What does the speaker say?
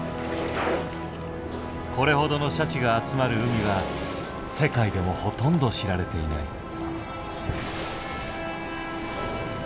これほどのシャチが集まる海は世界でもほとんど知られていない。